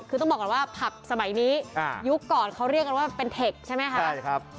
คือต้องบอกก่อนว่าผับสมัยนี้ยุคก่อนเขาเรียกกันว่าเป็นเทคใช่ไหมคะใช่ครับ